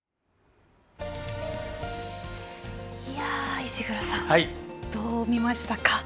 石黒さん、どう見ましたか。